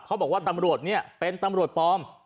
บอกว่าตำรวจเนี่ยเป็นตำรวจปลอม